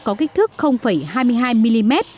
có kích thước hai mươi hai mm